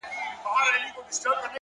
• لمر چي د ميني زوال ووهي ويده سمه زه ـ